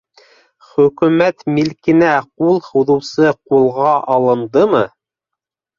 Хөкүмәт милкенә ҡул һуҙыусы ҡулға алындымы?!